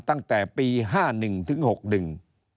ตั้งแต่ปี๕๑ถึง๖๑